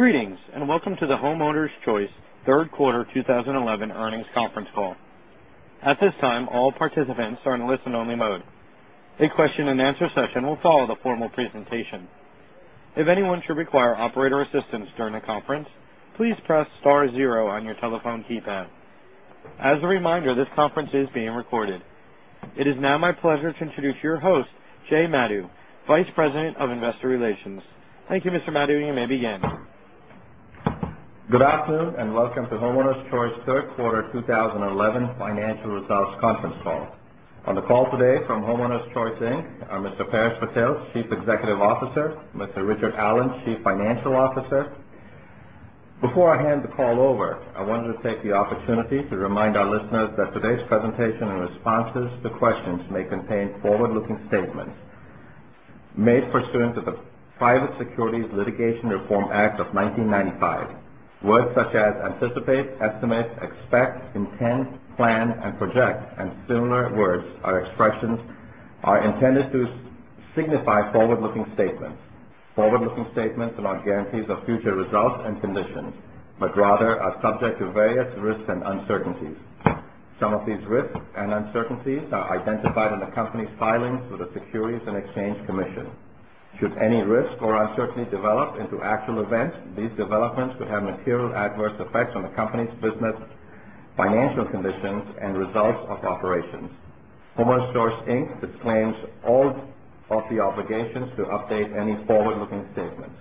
Greetings, welcome to the Homeowners Choice third quarter 2011 earnings conference call. At this time, all participants are in listen-only mode. A question and answer session will follow the formal presentation. If anyone should require operator assistance during the conference, please press star zero on your telephone keypad. As a reminder, this conference is being recorded. It is now my pleasure to introduce your host, Jay Madhu, Vice President of Investor Relations. Thank you, Mr. Madhu. You may begin. Good afternoon, welcome to Homeowners Choice third quarter 2011 financial results conference call. On the call today from Homeowners Choice, Inc. are Mr. Paresh Patel, Chief Executive Officer, Mr. Richard Allen, Chief Financial Officer. Before I hand the call over, I wanted to take the opportunity to remind our listeners that today's presentation and responses to questions may contain forward-looking statements made pursuant to the Private Securities Litigation Reform Act of 1995. Words such as anticipate, estimate, expect, intend, plan, and project, and similar words or expressions are intended to signify forward-looking statements. Forward-looking statements are not guarantees of future results and conditions, but rather are subject to various risks and uncertainties. Some of these risks and uncertainties are identified in the company's filings with the Securities and Exchange Commission. Should any risk or uncertainty develop into actual events, these developments could have material adverse effects on the company's business, financial conditions, and results of operations. Homeowners Choice, Inc. disclaims all of the obligations to update any forward-looking statements.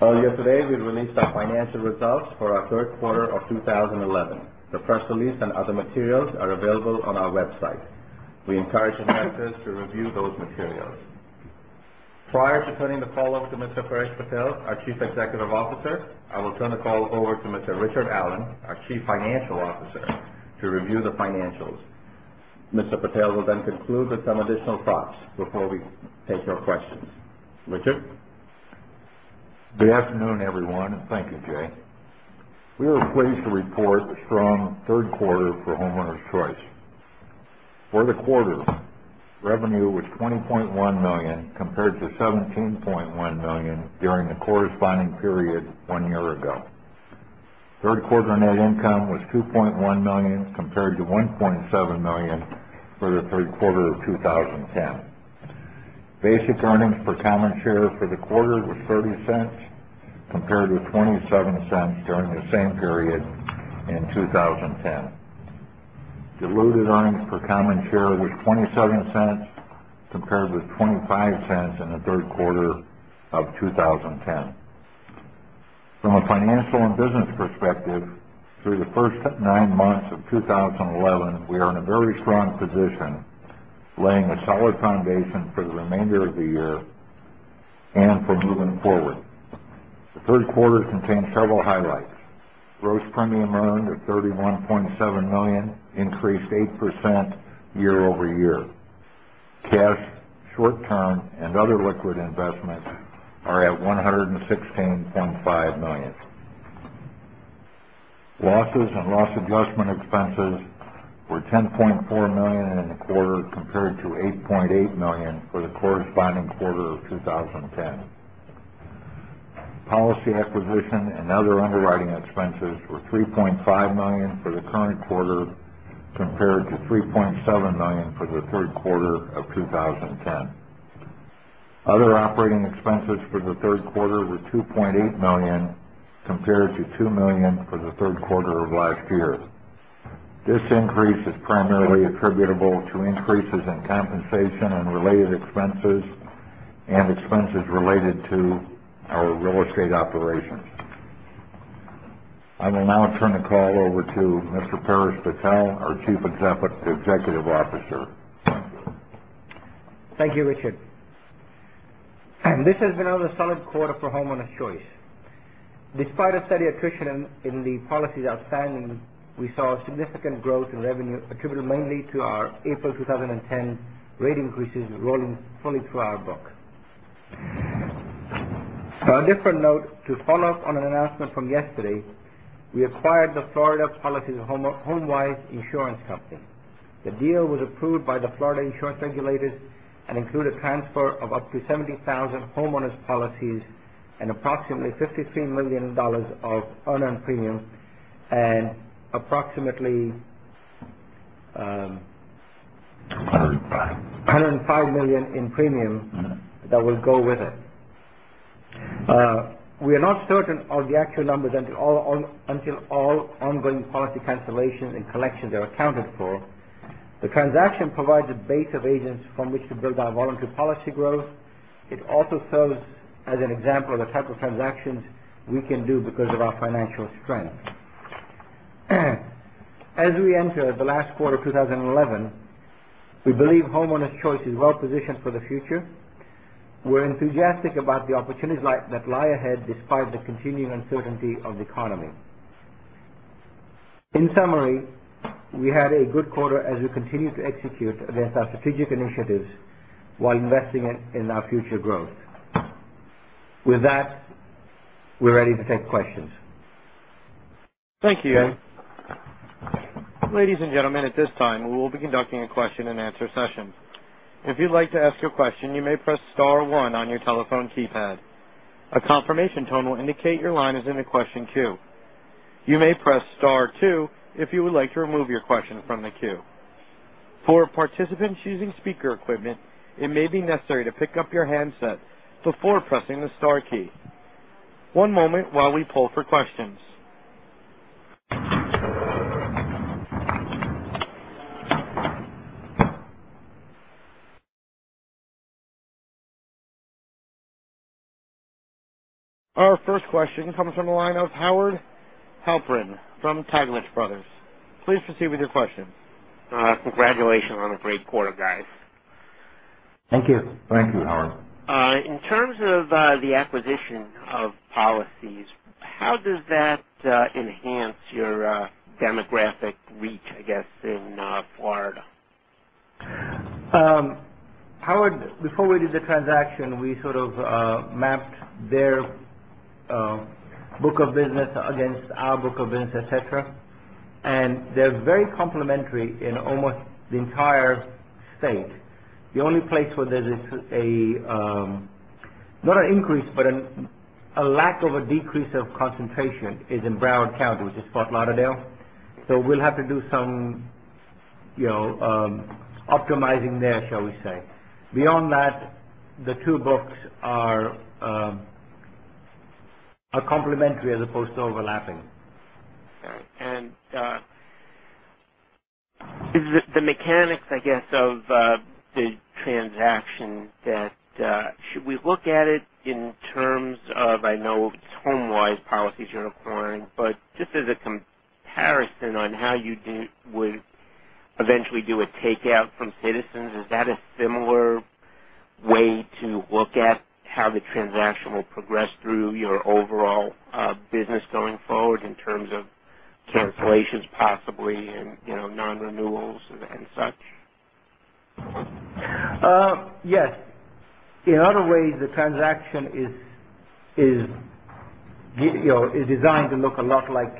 Earlier today, we released our financial results for our third quarter of 2011. The press release and other materials are available on our website. We encourage investors to review those materials. Prior to turning the call over to Mr. Paresh Patel, our Chief Executive Officer, I will turn the call over to Mr. Richard Allen, our Chief Financial Officer, to review the financials. Mr. Patel will then conclude with some additional thoughts before we take your questions. Richard? Good afternoon, everyone. Thank you, Jay. We are pleased to report a strong third quarter for Homeowners Choice. For the quarter, revenue was $20.1 million compared to $17.1 million during the corresponding period one year ago. Third quarter net income was $2.1 million compared to $1.7 million for the third quarter of 2010. Basic earnings per common share for the quarter was $0.30 compared with $0.27 during the same period in 2010. Diluted earnings per common share was $0.27 compared with $0.25 in the third quarter of 2010. From a financial and business perspective, through the first nine months of 2011, we are in a very strong position, laying a solid foundation for the remainder of the year and for moving forward. The third quarter contained several highlights. Gross premium earned of $31.7 million increased 8% year-over-year. Cash, short-term, and other liquid investments are at $116.5 million. Losses and loss adjustment expenses were $10.4 million in the quarter compared to $8.8 million for the corresponding quarter of 2010. Policy acquisition and other underwriting expenses were $3.5 million for the current quarter compared to $3.7 million for the third quarter of 2010. Other operating expenses for the third quarter were $2.8 million compared to $2 million for the third quarter of last year. This increase is primarily attributable to increases in compensation and related expenses and expenses related to our real estate operations. I will now turn the call over to Mr. Paresh Patel, our Chief Executive Officer. Thank you, Richard. This has been another solid quarter for Homeowners Choice. Despite a steady attrition in the policies outstanding, we saw significant growth in revenue attributable mainly to our April 2010 rate increases rolling fully through our book. On a different note, to follow up on an announcement from yesterday, we acquired the Florida policies HomeWise Insurance Company. The deal was approved by the Florida insurance regulators and include a transfer of up to 70,000 homeowners policies and approximately $53 million of unearned premium and approximately- 105 $105 million in premium that will go with it. We are not certain of the actual numbers until all ongoing policy cancellations and collections are accounted for. The transaction provides a base of agents from which to build our voluntary policy growth. It also serves as an example of the type of transactions we can do because of our financial strength. As we enter the last quarter of 2011, we believe Homeowners Choice is well-positioned for the future. We're enthusiastic about the opportunities that lie ahead despite the continuing uncertainty of the economy. In summary, we had a good quarter as we continue to execute against our strategic initiatives while investing in our future growth. With that, we're ready to take questions. Thank you. Ladies and gentlemen, at this time, we will be conducting a question and answer session. If you'd like to ask a question, you may press star one on your telephone keypad. A confirmation tone will indicate your line is in the question queue. You may press star two if you would like to remove your question from the queue. For participants using speaker equipment, it may be necessary to pick up your handset before pressing the star key. One moment while we poll for questions. Our first question comes from the line of Howard Halpern from Taglich Brothers. Please proceed with your question. Congratulations on a great quarter, guys. Thank you. Thank you, Howard. In terms of the acquisition of policies, how does that enhance your demographic reach, I guess, in Florida? Howard, before we did the transaction, we sort of mapped their book of business against our book of business, et cetera. They're very complementary in almost the entire state. The only place where there is a, not an increase, but a lack of a decrease of concentration is in Broward County, which is Fort Lauderdale. We'll have to do some optimizing there, shall we say. Beyond that, the two books are complementary as opposed to overlapping. Is it the mechanics, I guess, of the transaction that should we look at it in terms of, I know it's HomeWise policies you're acquiring, but just as a comparison on how you would eventually do a takeout from Citizens, is that a similar way to look at how the transaction will progress through your overall business going forward in terms of cancellations, possibly, and non-renewals and such? Yes. In other ways, the transaction is designed to look a lot like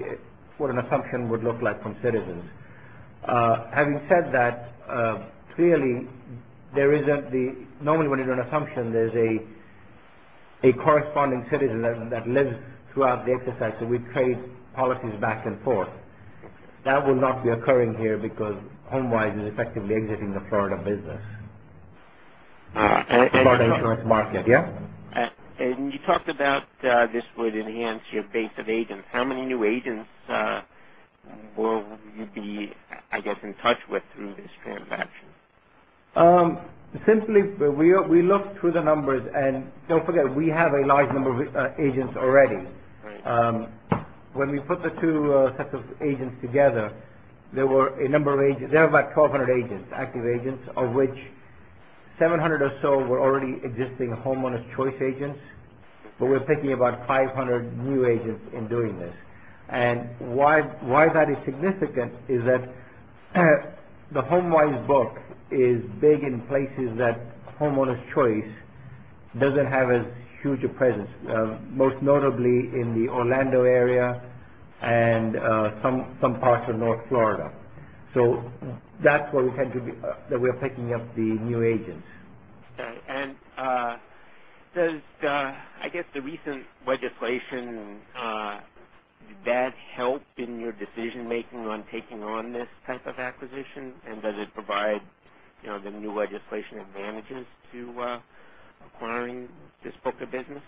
what an assumption would look like from Citizens. Having said that, clearly there isn't normally when you do an assumption, there's a corresponding Citizens that lives throughout the exercise, so we trade policies back and forth. That will not be occurring here because HomeWise is effectively exiting the Florida business. And- The Florida insurance market. Yeah. You talked about this would enhance your base of agents. How many new agents will you be, I guess, in touch with through this transaction? Simply, we looked through the numbers, and don't forget, we have a large number of agents already. Right. When we put the two sets of agents together, there were a number of agents. There are about 1,200 agents, active agents, of which 700 or so were already existing Homeowners Choice agents. We're thinking about 500 new agents in doing this. Why that is significant is that the HomeWise book is big in places that Homeowners Choice doesn't have as huge a presence, most notably in the Orlando area and some parts of North Florida. That's where we tend to be, that we are picking up the new agents. Okay. Does, I guess, the recent legislation, does that help in your decision-making on taking on this type of acquisition, and does it provide the new legislation advantages to acquiring this book of business?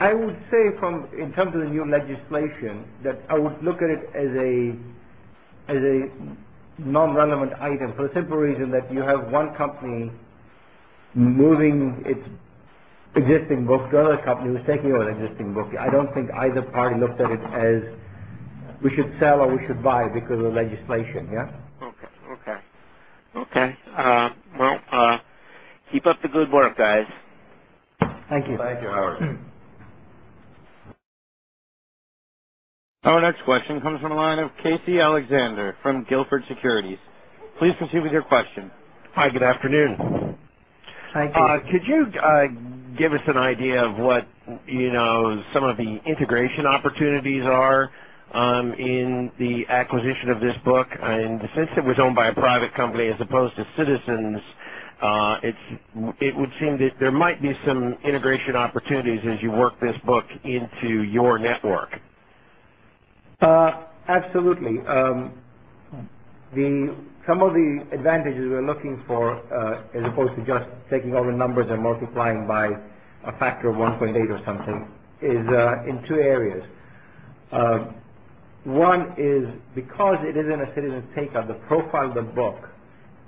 I would say from, in terms of the new legislation, that I would look at it as a non-relevant item for the simple reason that you have one company moving its existing book to another company who's taking over an existing book. I don't think either party looked at it as we should sell or we should buy because of the legislation. Yeah. Okay. Well, keep up the good work, guys. Thank you. Thank you, Howard. Our next question comes from the line of Casey Alexander from Gilford Securities. Please proceed with your question. Hi, good afternoon. Thank you. Could you give us an idea of what some of the integration opportunities are in the acquisition of this book? Since it was owned by a private company as opposed to Citizens, it would seem that there might be some integration opportunities as you work this book into your network. Absolutely. Some of the advantages we're looking for, as opposed to just taking all the numbers and multiplying by a factor of 1.8 or something, is in two areas. One is because it is in a Citizens takeoff, the profile of the book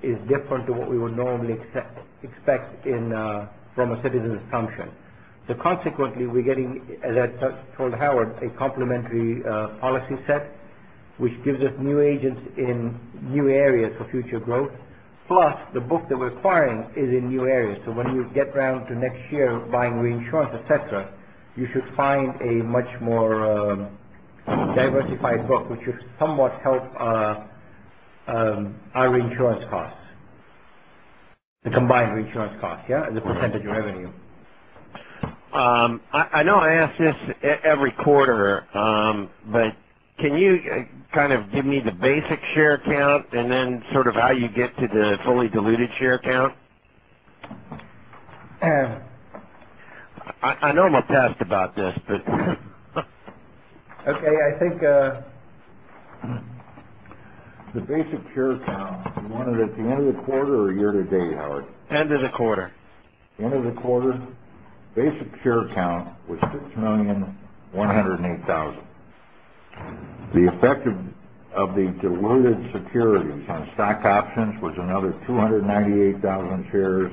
is different to what we would normally expect from a Citizens assumption. Consequently, we're getting, as I told Howard, a complementary policy set, which gives us new agents in new areas for future growth. Plus, the book that we're acquiring is in new areas. When we get around to next year buying reinsurance, et cetera, you should find a much more diversified book, which should somewhat help our reinsurance costs. The combined reinsurance cost, yeah? The % of revenue. I know I ask this every quarter, Can you give me the basic share count and then how you get to the fully diluted share count? Okay. The basic share count, you want it at the end of the quarter or year to date, Howard? End of the quarter. End of the quarter. Basic share count was 6,108,000. The effect of the diluted securities on stock options was another 298,000 shares,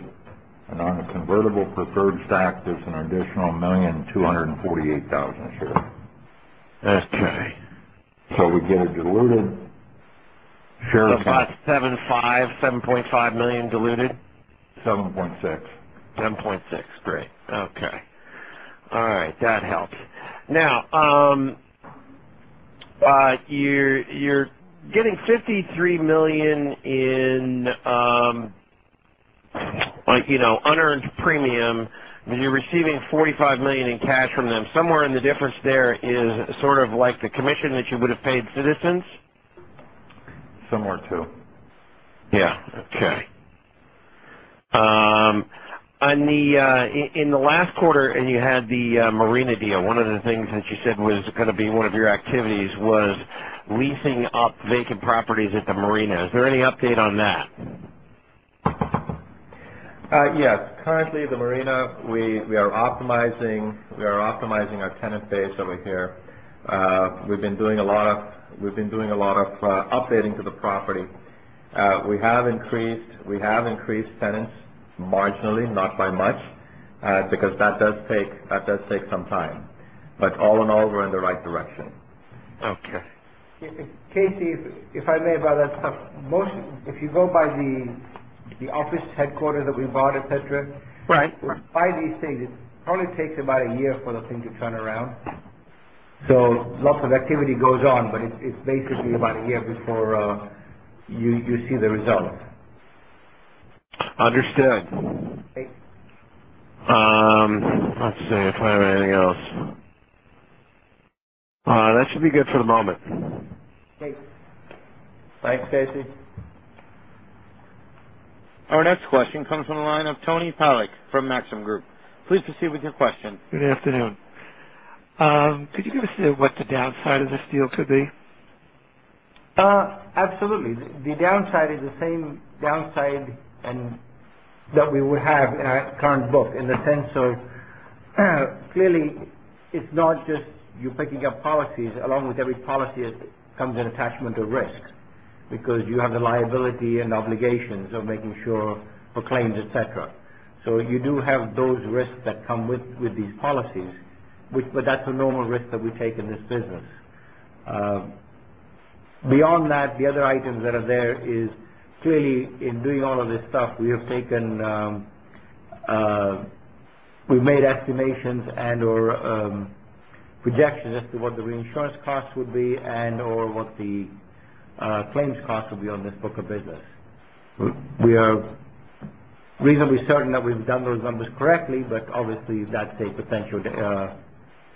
on the convertible preferred stock, there's an additional 1,248,000 shares. Okay. We get a diluted share count. About 7.5 million diluted? Seven point six. Seven point six. Great. Okay. All right. That helps. You're getting $53 million in unearned premium, and you're receiving $45 million in cash from them. Somewhere in the difference there is the commission that you would have paid Citizens? Somewhere, too. Yeah. Okay. In the last quarter, and you had the marina deal, one of the things that you said was going to be one of your activities was leasing up vacant properties at the marina. Is there any update on that? Yes. Currently, the marina, we are optimizing our tenant base over here. We've been doing a lot of updating to the property. We have increased tenants marginally, not by much, because that does take some time. All in all, we're in the right direction. Okay. Casey, if I may, if you go by the office headquarters that we bought, et cetera. Right. By these things, it probably takes about one year for the thing to turn around. Lots of activity goes on, it's basically about one year before you see the results. Understood. Okay. Let's see if I have anything else. That should be good for the moment. Thanks. Thanks, Casey. Our next question comes from the line of Tony Polak from Maxim Group. Please proceed with your question. Good afternoon. Could you give us what the downside of this deal could be? Absolutely. The downside is the same downside that we would have in our current book, in the sense of clearly, it's not just you picking up policies. Along with every policy comes an attachment of risk, because you have the liability and obligations of making sure for claims, et cetera. You do have those risks that come with these policies, but that's a normal risk that we take in this business. Beyond that, the other items that are there is clearly in doing all of this stuff, we've made estimations and/or projections as to what the reinsurance costs would be and/or what the claims cost would be on this book of business. We are reasonably certain that we've done those numbers correctly, but obviously, that's a potential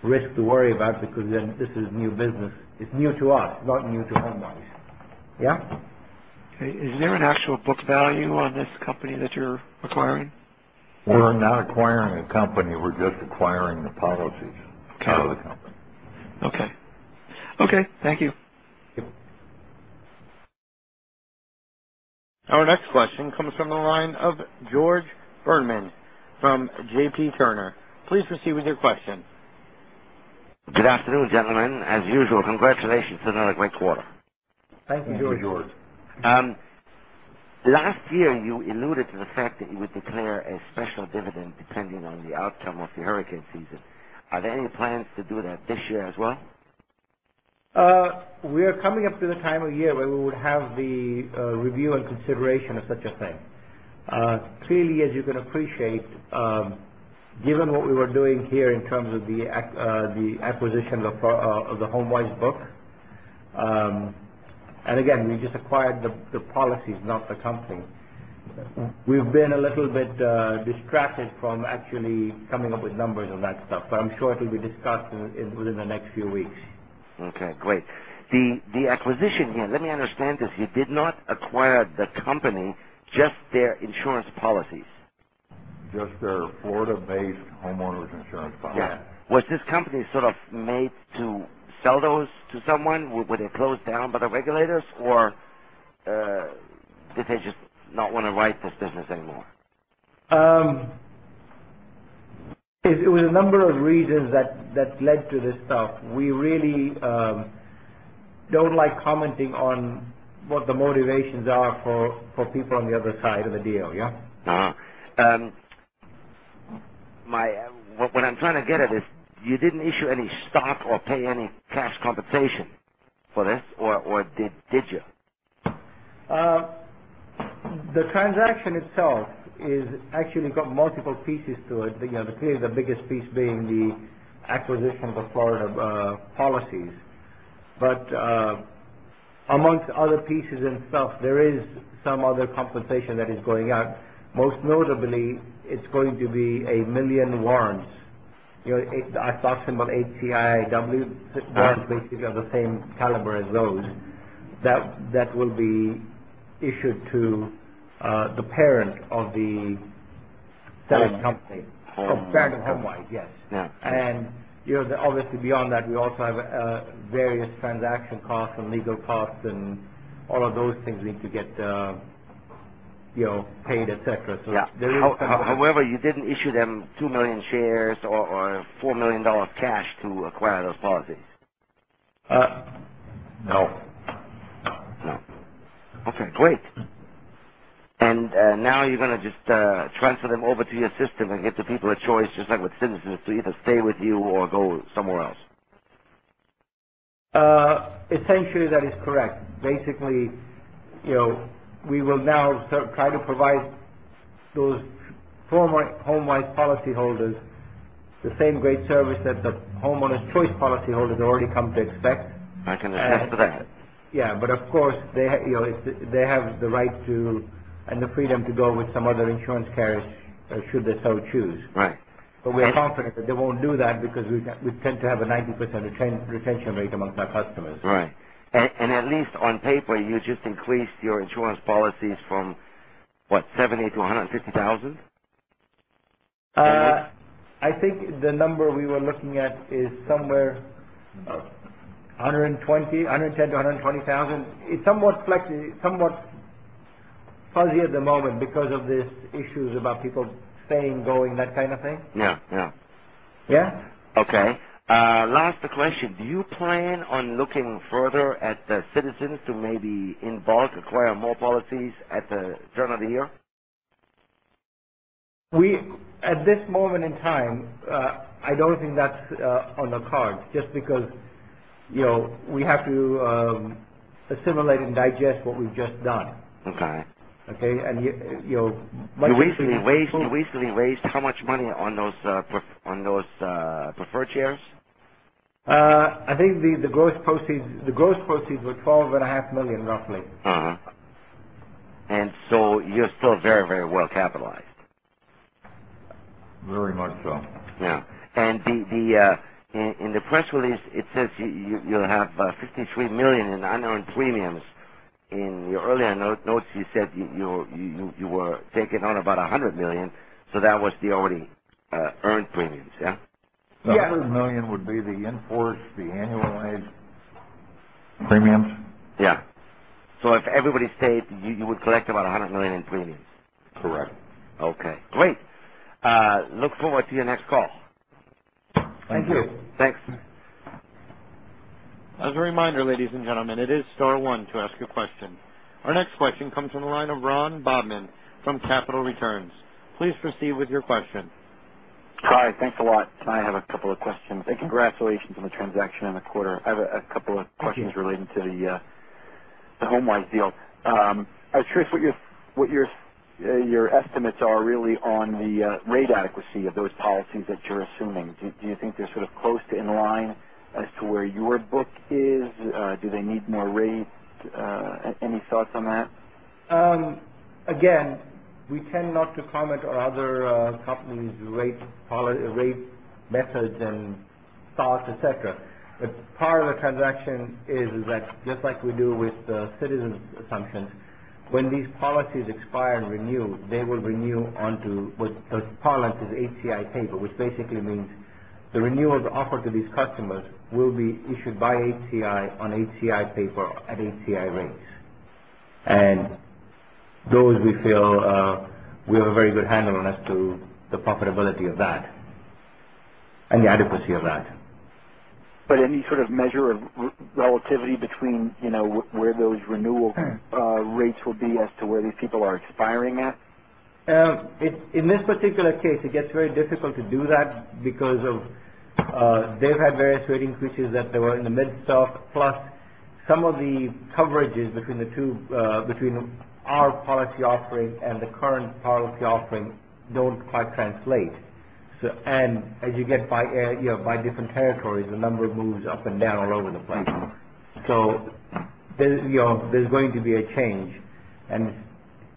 risk to worry about because then this is new business. It's new to us, not new to HomeWise. Yeah. Okay. Is there an actual book value on this company that you're acquiring? We're not acquiring a company. We're just acquiring the policies. Okay Out of the company. Okay. Okay. Thank you. Yep. Our next question comes from the line of George Zerman from JP Turner. Please proceed with your question. Good afternoon, gentlemen. As usual, congratulations on another great quarter. Thank you, George. Thank you, George. Last year, you alluded to the fact that you would declare a special dividend depending on the outcome of the hurricane season. Are there any plans to do that this year as well? We are coming up to the time of year where we would have the review and consideration of such a thing. Clearly, as you can appreciate, given what we were doing here in terms of the acquisition of the HomeWise book. Again, we just acquired the policies, not the company. We've been a little bit distracted from actually coming up with numbers on that stuff, but I'm sure it'll be discussed within the next few weeks. Okay, great. The acquisition here, let me understand this. You did not acquire the company, just their insurance policies. Just their Florida-based homeowners insurance policies. Yeah. Was this company sort of made to sell those to someone? Were they closed down by the regulators, or did they just not want to write this business anymore? It was a number of reasons that led to this stuff. We really don't like commenting on what the motivations are for people on the other side of the deal. Yeah. Uh-huh. What I'm trying to get at is you didn't issue any stock or pay any cash compensation for this, or did you? The transaction itself is actually got multiple pieces to it. Clearly the biggest piece being the acquisitions of Florida policies. Amongst other pieces and stuff, there is some other compensation that is going out. Most notably, it's going to be 1 million warrants. I've talked about HCIW- warrants basically of the same caliber as those, that will be issued to the parent of the selling company. Home. Of parent of HomeWise, yes. Yeah. Obviously beyond that, we also have various transaction costs and legal costs, and all of those things need to get paid, et cetera. Yeah. There is compensation. You didn't issue them 2 million shares or $4 million cash to acquire those policies? No. No. Okay, great. Now you're going to just transfer them over to your system and give the people a choice, just like with Citizens, to either stay with you or go somewhere else. Essentially, that is correct. Basically, we will now try to provide those former HomeWise policyholders the same great service that the Homeowners Choice policyholders already come to expect. I can attest to that. Yeah, of course, they have the right and the freedom to go with some other insurance carriers, should they so choose. Right. We are confident that they won't do that because we tend to have a 90% retention rate amongst our customers. Right. At least on paper, you just increased your insurance policies from what, 70 to 150,000? I think the number we were looking at is somewhere 110 to 120,000. It's somewhat fuzzy at the moment because of these issues about people staying, going, that kind of thing. Yeah. Yeah. Okay. Last question. Do you plan on looking further at Citizens to maybe in bulk acquire more policies at the turn of the year? At this moment in time, I don't think that's on the cards just because we have to assimilate and digest what we've just done. Okay. Okay. Much. You recently raised how much money on those preferred shares? I think the gross proceeds were 12 and a half million, roughly. You're still very well capitalized. Very much so. Yeah. In the press release, it says you have $53 million in unearned premiums. In your earlier notes, you said you were taking on about $100 million, that was the already earned premiums, yeah? Yeah. The $100 million would be the in-force, the annualized premiums. Yeah. If everybody stayed, you would collect about $100 million in premiums. Correct. Okay, great. Look forward to your next call. Thank you. Thanks. As a reminder, ladies and gentlemen, it is star one to ask a question. Our next question comes from the line of Ron Bobman from Capital Returns. Please proceed with your question. Hi. Thanks a lot. I have a couple of questions. Thank you. Congratulations on the transaction and the quarter. I have a couple of questions relating to the HomeWise deal. I was curious what your estimates are really on the rate adequacy of those policies that you're assuming. Do you think they're sort of close to in line as to where your book is? Do they need more rates? Any thoughts on that? We tend not to comment on other companies' rate methods and thoughts, et cetera. Part of the transaction is that just like we do with the Citizens assumption, when these policies expire and renew, they will renew onto what those policies, HCI paper, which basically means the renewals offered to these customers will be issued by HCI on HCI paper at HCI rates. Those we feel we have a very good handle on as to the profitability of that and the adequacy of that. Any sort of measure of relativity between where those renewal. Yeah rates will be as to where these people are expiring at? In this particular case, it gets very difficult to do that because they've had various rate increases that they were in the midst of, plus some of the coverages between our policy offering and the current policy offering don't quite translate. As you get by different territories, the number moves up and down all over the place. Right. there's going to be a change, and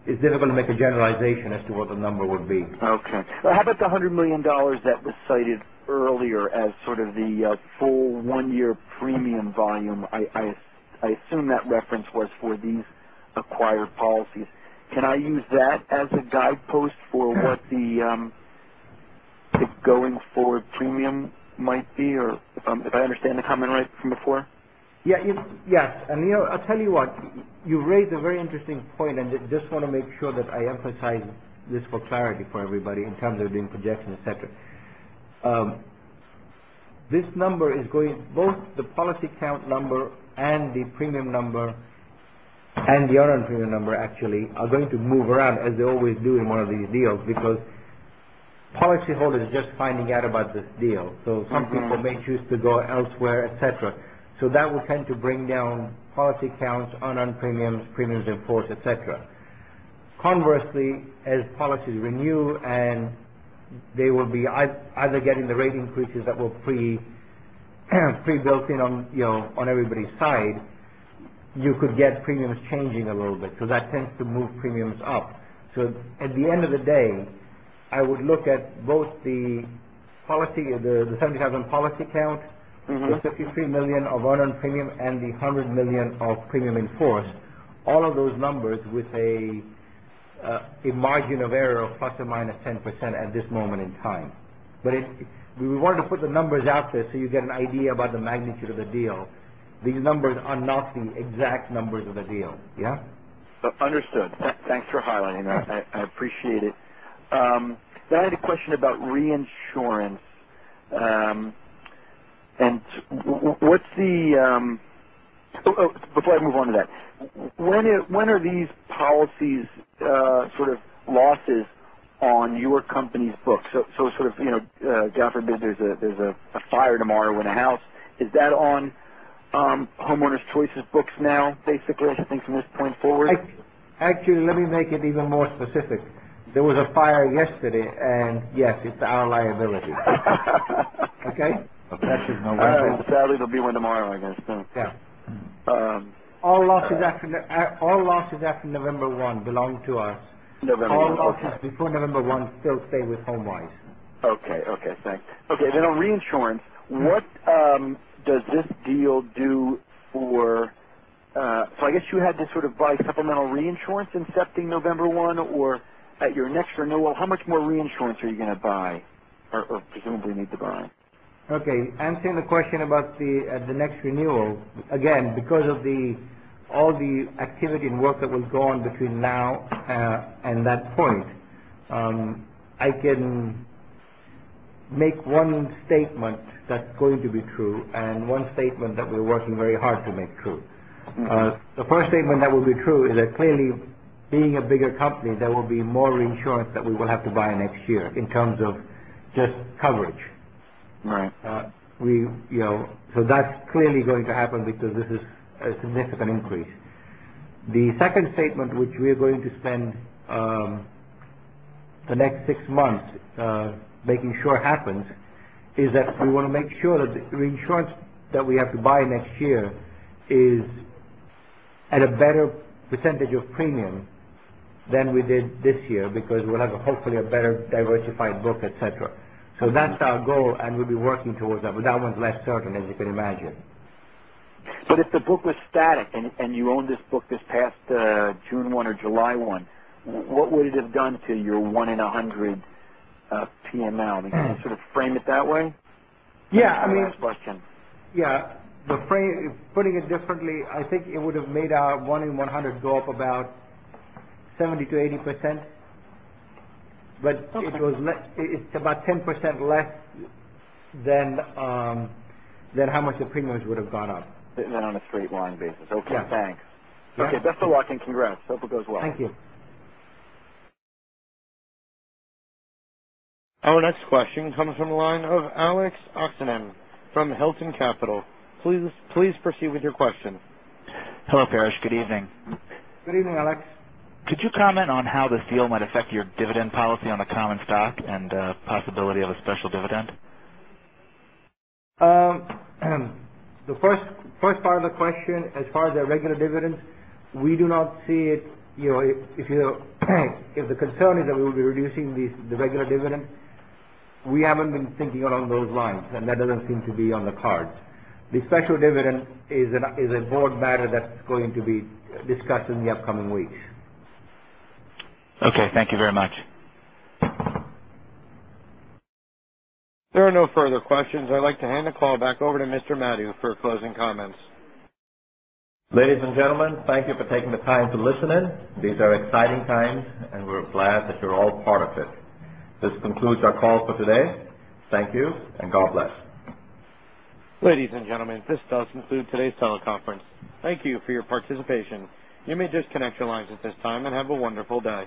it's difficult to make a generalization as to what the number would be. Okay. Well, how about the $100 million that was cited earlier as sort of the full one-year premium volume? I assume that reference was for these acquired policies. Can I use that as a guidepost for what the going forward premium might be, or if I understand the comment right from before? Yes. I'll tell you what. You raised a very interesting point, and just want to make sure that I emphasize this for clarity for everybody in terms of doing projections, et cetera. Both the policy count number and the premium number, and the unearned premium number actually, are going to move around as they always do in one of these deals because policyholders are just finding out about this deal. Some people may choose to go elsewhere, et cetera. Conversely, as policies renew, and they will be either getting the rate increases that were pre-built in on everybody's side. You could get premiums changing a little bit because that tends to move premiums up. At the end of the day, I would look at both the 70,000 policy count- plus the $53 million of earned premium and the $100 million of premium in force. All of those numbers with a margin of error of plus or minus 10% at this moment in time. We wanted to put the numbers out there so you get an idea about the magnitude of the deal. These numbers are not the exact numbers of the deal. Yeah? Understood. Thanks for highlighting that. I appreciate it. I had a question about reinsurance. Before I move on to that, when are these policies sort of losses on your company's books? So sort of, God forbid, there's a fire tomorrow in a house. Is that on Homeowners Choice's books now, basically, I think from this point forward? Actually, let me make it even more specific. There was a fire yesterday, and yes, it's our liability. Okay? Well, sadly there'll be one tomorrow, I guess. Yeah. All losses after November 1 belong to us. November 1, okay. All losses before November 1 still stay with HomeWise. Okay. Thanks. On reinsurance, what does this deal do for, I guess you had to sort of buy supplemental reinsurance incepting November 1, or at your next renewal, how much more reinsurance are you going to buy, or presumably need to buy? Answering the question about at the next renewal. Because of all the activity and work that will go on between now and that point, I can make one statement that's going to be true and one statement that we're working very hard to make true. The first statement that will be true is that clearly being a bigger company, there will be more reinsurance that we will have to buy next year in terms of just coverage. Right. That's clearly going to happen because this is a significant increase. The second statement, which we are going to spend the next 6 months making sure happens, is that we want to make sure that the reinsurance that we have to buy next year is at a better % of premium than we did this year because we'll have, hopefully, a better diversified book, et cetera. That's our goal, and we'll be working towards that. That one's less certain, as you can imagine. If the book was static and you owned this book this past June 1 or July 1, what would it have done to your one in 100 PML? Can you sort of frame it that way? Yeah. As a last question. Yeah. Putting it differently, I think it would have made our one in 100 go up about 70%-80%. It's about 10% less than how much the premiums would have gone up. Than on a straight line basis. Yeah. Okay, thanks. Okay. Best of luck and congrats. Hope it goes well. Thank you. Our next question comes from the line of Alex Oksanen from Hilton Capital. Please proceed with your question. Hello, Paresh. Good evening. Good evening, Alex. Could you comment on how this deal might affect your dividend policy on the common stock and possibility of a special dividend? The first part of the question, as far as our regular dividends, if the concern is that we will be reducing the regular dividend, we haven't been thinking along those lines, and that doesn't seem to be on the cards. The special dividend is a board matter that's going to be discussed in the upcoming weeks. Okay. Thank you very much. There are no further questions. I'd like to hand the call back over to Mr. Madhu for closing comments. Ladies and gentlemen, thank you for taking the time to listen in. These are exciting times, and we're glad that you're all part of it. This concludes our call for today. Thank you, and God bless. Ladies and gentlemen, this does conclude today's teleconference. Thank you for your participation. You may disconnect your lines at this time, and have a wonderful day.